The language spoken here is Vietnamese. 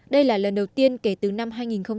đây là lần đầu tiên kể từ năm hai nghìn một mươi